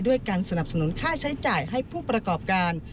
การสนับสนุนค่าใช้จ่ายให้ผู้ประกอบการ